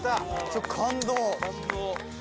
ちょっと感動。